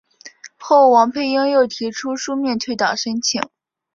后王佩英又提出书面退党申请。